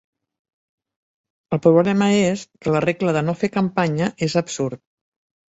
El problema és que la regla de “no fer campanya” és absurd.